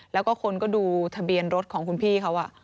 แล้วก็คนก็ดูทะเบียนรถของคุณพี่เขา